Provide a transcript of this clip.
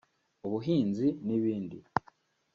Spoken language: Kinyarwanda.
ubuhinzi n’ibindi